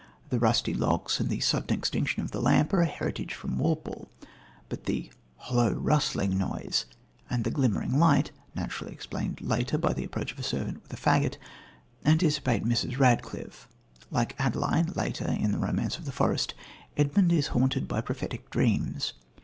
The rusty locks and the sudden extinction of the lamp are a heritage from Walpole, but the "hollow, rustling noise" and the glimmering light, naturally explained later by the approach of a servant with a faggot, anticipate Mrs. Radcliffe. Like Adeline later, in The Romance of the Forest, Edmund is haunted by prophetic dreams.